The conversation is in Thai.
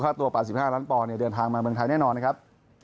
ค่าตัวประสิทธิ์ห้าล้านปอเนี่ยเดินทางมาเมืองไทยแน่นอนนะครับ